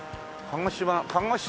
鹿児島